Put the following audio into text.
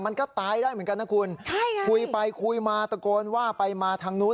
คุณใช่ไงคุยไปคุยมาตะโกนว่าไปมาทางนู้น